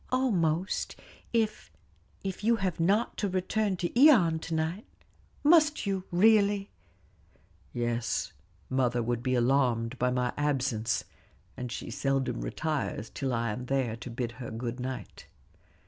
"Almost if if you have not to return to Ion to night. Must you, really?" "Yes; mother would be alarmed by my absence; and she seldom retires till I am there to bid her good night."